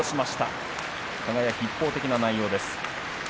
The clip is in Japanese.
輝、一方的な内容です。